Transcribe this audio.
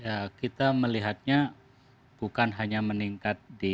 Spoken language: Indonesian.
ya kita melihatnya bukan hanya meningkat di tingkat kelas